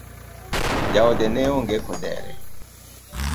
Jaode neonge kodere?